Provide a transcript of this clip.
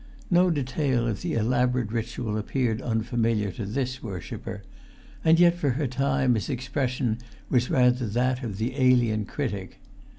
No detail of the elaborate ritual appeared unfamiliar to this worshipper, and yet for a time his expression was rather that of the alien critic.